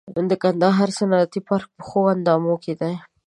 د کندهار صنعتي پارک په ښوراندام کې دی